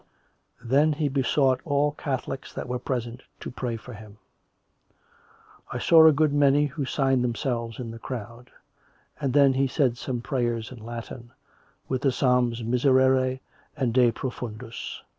then he besought all Catholics that were present to pray for him ; I saw a good many who signed themselves in the crowd; and then he said some prayers in Latin; with the psalms Miserere and De Profundis.